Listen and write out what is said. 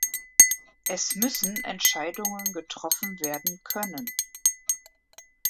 Es müssen Entscheidungen getroffen werden können.